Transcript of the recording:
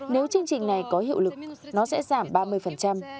nếu chương trình này có hiệu lực nó sẽ giảm ba mươi